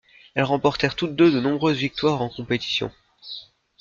Elles remportèrent toutes deux de nombreuses victoires en compétition.